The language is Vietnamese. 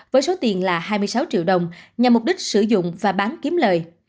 với số tiền là hai mươi sáu triệu đồng nhằm mục đích sử dụng và bán kiếm lời